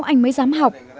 anh mới dám học